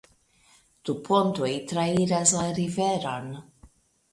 Du pontoj trairas la riveron.